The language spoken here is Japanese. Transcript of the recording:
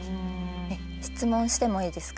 質問してもいいですか？